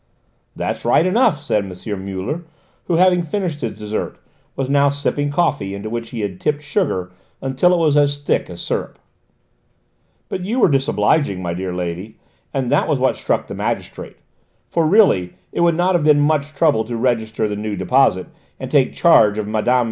"That's right enough," said M. Muller, who, having finished his dessert, was now sipping coffee into which he had tipped sugar until it was as thick as syrup: "but you were disobliging, my dear young lady, and that was what struck the magistrate; for really it would not have been much trouble to register the new deposit and take charge of Mme.